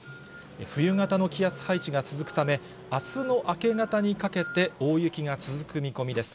冬型の気圧配置が続くため、あすの明け方にかけて、大雪が続く見込みです。